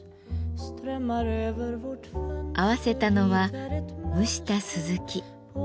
合わせたのは蒸したスズキ。